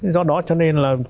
do đó cho nên là